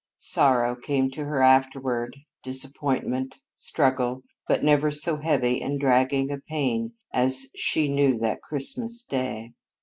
Sorrow came to her afterward, disappointment, struggle, but never so heavy and dragging a pain as she knew that Christmas Day.